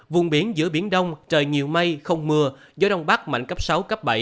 vùng biển giữa biển đông trời nhiều mây không mưa gió đông bắc mạnh cấp sáu cấp bảy